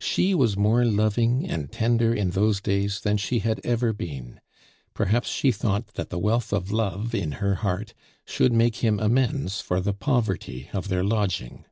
She was more loving and tender in those days than she had ever been; perhaps she thought that the wealth of love in her heart should make him amends for the poverty of their lodging.